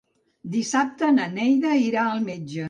Dissabte na Neida irà al metge.